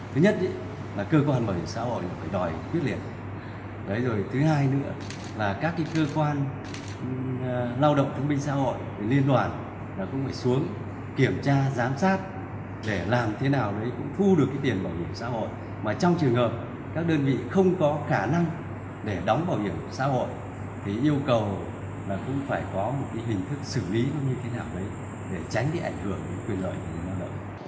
phải có một hình thức xử lý như thế nào đấy để tránh ảnh hưởng đến quyền lợi của người lao động